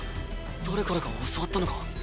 誰からか教わったのか？